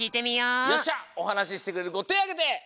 よっしゃおはなししてくれるこてあげて！